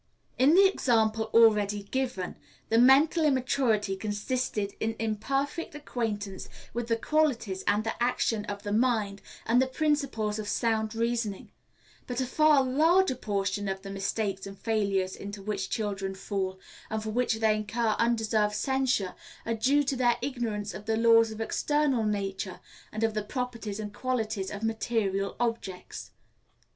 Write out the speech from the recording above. _ In the example already given, the mental immaturity consisted in imperfect acquaintance with the qualities and the action of the mind, and the principles of sound reasoning; but a far larger portion of the mistakes and failures into which children fall, and for which they incur undeserved censure, are due to their ignorance of the laws of external nature, and of the properties and qualities of material objects.